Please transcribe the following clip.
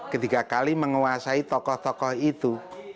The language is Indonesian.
ketiga kali menguasai tokoh tokoh itu